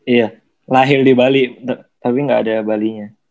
iya lahir di bali tapi gak ada bali nya